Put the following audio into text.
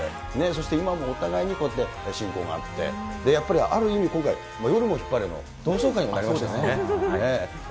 そして今もお互いにこうやって親交があって、やっぱり、ある意味今回、夜もヒッパレの同窓会になりましたね。